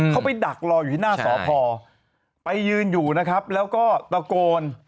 เขาไปดักรออยู่ที่หน้าสพไปยืนอยู่นะครับแล้วก็ตะโกน